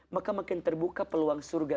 maka makin terbuka peluang surga